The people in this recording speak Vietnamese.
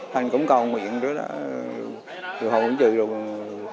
thành cũng cầu nguyện điều hội cũng trừ rồi